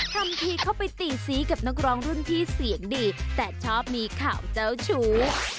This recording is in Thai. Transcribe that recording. ทำทีเข้าไปตีซี้กับนักร้องรุ่นพี่เสียงดีแต่ชอบมีข่าวเจ้าชู้